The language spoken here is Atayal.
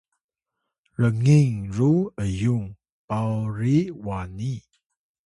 rngin ru ’yung pawri wani